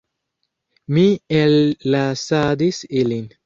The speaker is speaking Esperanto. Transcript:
Mi ellasadis ilin.